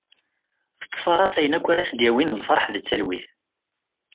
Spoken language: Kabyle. Tettfaras ayen akk ara as-d-yawin lferḥ d talwit.